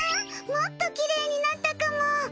もっときれいになったかも！